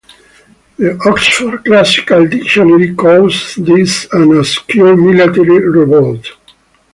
The Oxford Classical Dictionary calls this an "obscure military revolt".